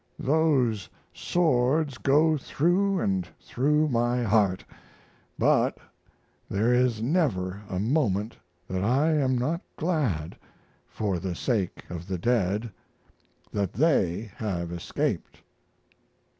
Those swords go through & through my heart, but there is never a moment that I am not glad, for the sake of the dead, that they have escaped.